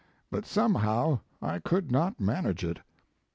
But somehow I could not manage it.